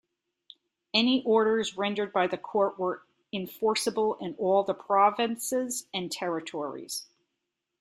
Any orders rendered by the court were enforceable in all the provinces and territories.